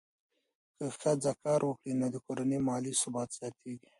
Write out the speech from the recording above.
که ښځه کار وکړي، نو د کورنۍ مالي ثبات زیاتېږي.